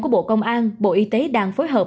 của bộ công an bộ y tế đang phối hợp